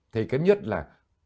thì cái nhất là